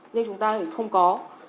nhưng chúng ta thì không có